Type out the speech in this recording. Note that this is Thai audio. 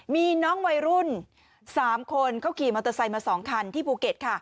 มีน้องวัยรุ่น๓คนเขาขี่มอเตอร์ไซค์มา๒คันที่ภูเก็ตค่ะ